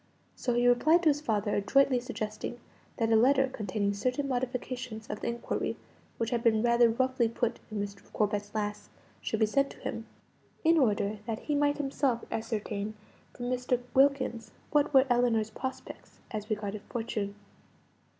So he replied to his father, adroitly suggesting that a letter containing certain modifications of the inquiry which had been rather roughly put in Mr. Corbet's last, should be sent to him, in order that he might himself ascertain from Mr. Wilkins what were Ellinor's prospects as regarded fortune.